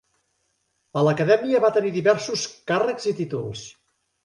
A l'acadèmia va tenir diversos càrrecs i títols.